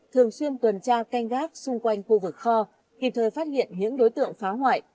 thường xuyên tuần tra canh gác xung quanh khu vực kho kịp thời phát hiện những đối tượng phá hoại